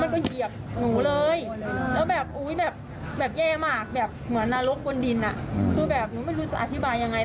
เพิ่งทำให้อย่างไรเห็นอะไรความน้ำดัง